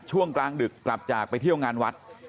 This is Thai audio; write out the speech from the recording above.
ช่วงกลางดึกกลับจากไปเที่ยวงานวัด